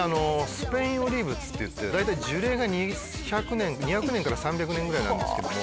スペインオリーブっていって大体樹齢が２００年から３００年ぐらいなんですけども。